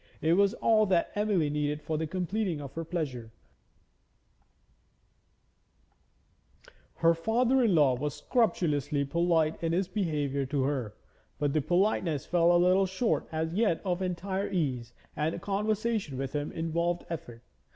It was all that Emily needed for the completing of her pleasure; her father in law was scrupulously polite in his behaviour to her, but the politeness fell a little short as yet of entire ease, and conversation with him involved effort.